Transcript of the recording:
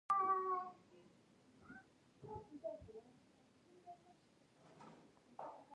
پیمانکار څه مسوولیت لري؟